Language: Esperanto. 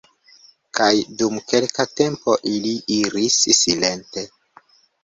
Kaj dum kelka tempo ili iris silente.